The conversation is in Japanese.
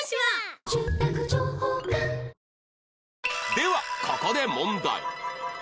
ではここで問題